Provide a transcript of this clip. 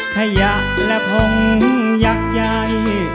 ขยะและผงยักษ์ใหญ่